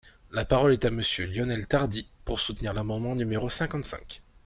La parole est à Monsieur Lionel Tardy, pour soutenir l’amendement numéro cinquante-cinq.